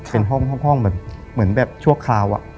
เป็นห้องแบบเหมือนแบบชั่วคราว